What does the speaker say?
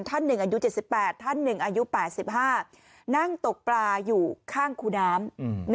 ท่านหนึ่งอายุ๗๘ท่าน๑อายุ๘๕นั่งตกปลาอยู่ข้างคูน้ำ